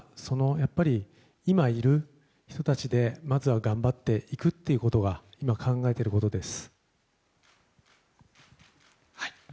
今いる人たちでまずは頑張っていくということが今、考えていることです。